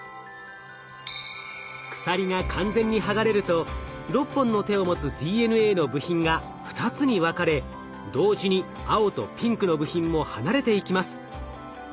鎖が完全に剥がれると６本の手を持つＤＮＡの部品が２つに分かれ同時に青とピンクの部品も離れていきます。